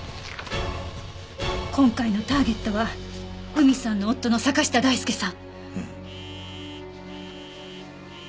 今回のターゲットは海さんの夫の坂下大輔さん。